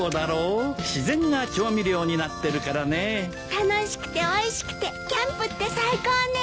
楽しくておいしくてキャンプって最高ね！